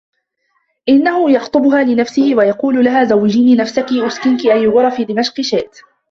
إنَّهُ يَخْطُبُهَا لِنَفْسِهِ وَيَقُولُ لَهَا زَوِّجِينِي نَفْسَك أُسْكِنُكِ أَيَّ غُرَفِ دِمَشْقَ شِئْتِ